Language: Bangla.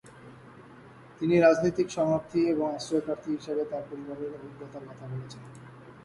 তিনি রাজনৈতিক শরণার্থী এবং আশ্রয়প্রার্থী হিসেবে তার পরিবারের অভিজ্ঞতার কথা বলেছেন।